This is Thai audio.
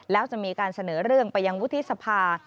แล้วจะมีการเสนอเรื่องไปยังวุฒิสภา